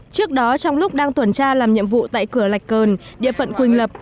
trước đó trong lúc đang tuần tra làm nhiệm vụ tại cửa lạch cờn địa phận quỳnh lập